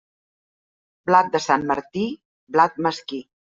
Blat de Sant Martí, blat mesquí.